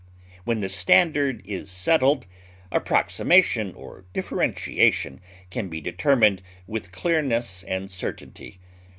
When the standard is settled, approximation or differentiation can be determined with clearness and certainty.